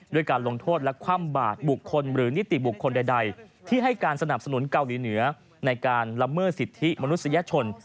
การลงโทษและคว่ำบาดบุคคลหรือนิติบุคคลใดที่ให้การสนับสนุนเกาหลีเหนือในการละเมิดสิทธิมนุษยชน